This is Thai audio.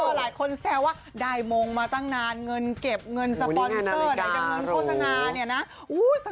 หลายคนแซวว่าได้มงมาตั้งนานเงินเก็บเงินสปอนเซอร์ไหนจะเงินโฆษณาเนี่ยนะ